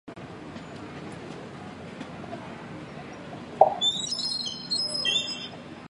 男单决赛的特邀颁奖嘉宾是牙买加短跑巨星博尔特。